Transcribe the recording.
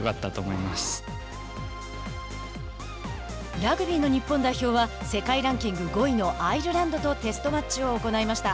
ラグビーの日本代表は世界ランキング５位のアイルランドとテストマッチを行いました。